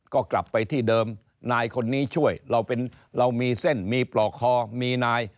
ก็กลับไปที่เดิมนายคนนี้ช่วยเรามีเส้นมีปลอกคอมีนาย